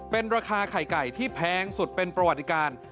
เป็นราคาไข่ไก่ที่แพงสุดเป็นประวัติการ